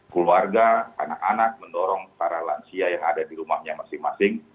keluarga anak anak mendorong para lansia yang ada di rumahnya masing masing